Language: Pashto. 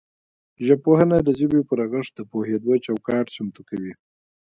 ژبپوهنه د ژبې پر رغښت د پوهیدو چوکاټ چمتو کوي